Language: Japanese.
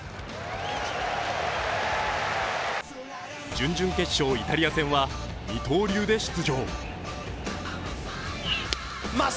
準々決勝、イタリア戦は二刀流で出場。